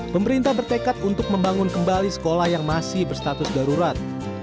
pemerintah bertekad untuk membangun kembali sekolah yang masih berstatus darurat